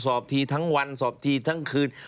สอบทีทั้งวันสอบทีทั้งคืน